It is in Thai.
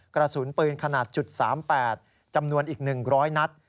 กระสุนปืนขนาด๓๘จำนวนอีก๑๐๐นัด